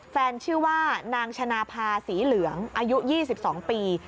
ชื่อว่านางชนะภาษีเหลืองอายุ๒๒ปี